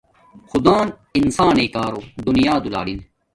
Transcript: خدان انسان نݵ کارو دنیا دولارین